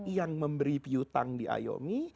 yang memberi hutang diayomi